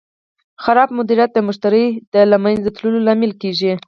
خراب مدیریت د مشتری د له منځه تلو لامل کېږي.